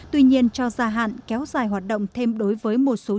tuy nhiên cho gia hạn kéo dài hoạt động thêm đối với một số